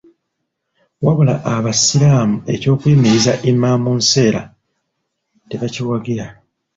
Wabula Abasiraamu eky'okuyimiriza Imam Nseera tebakiwagira.